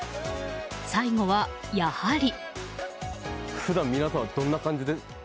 最後はやはり。